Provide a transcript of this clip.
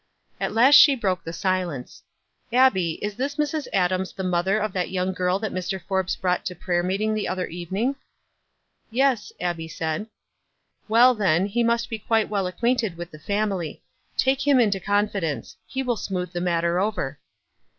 At last she broke the silence. " Abbie, is this Mrs. Adams the mother of that young girl that Mr. Forbes brought to prayer meeting the other evening?" "Yes,*' Abbie said. " Well, then, he must be quite well acquainted with the family. Take him into confidence ; he will smooth the matter over.'"